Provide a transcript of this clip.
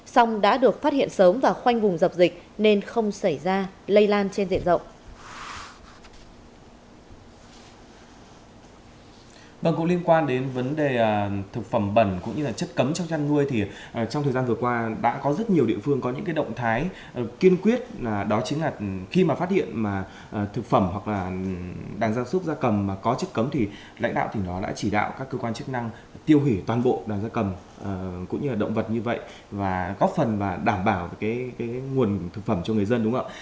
xong đã được phát hiện sớm và khoanh vùng dập dịch nên không xảy ra lây lan trên diện rộng